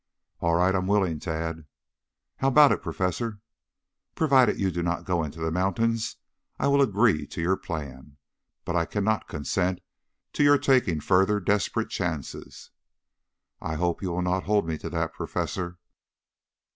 "All right, I'm willing, Tad." "How about it, Professor?" "Provided you do not go into the mountains I will agree to your plan. But I cannot consent to your taking further desperate chances." "I hope you will not hold me to that, Professor."